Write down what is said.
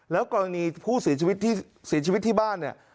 แล้วกรณีผู้ศีรชีวิตที่บ้านเนี่ย